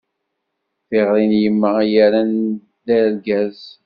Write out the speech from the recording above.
D tiɣri n yemma, i yi-erran d argaz.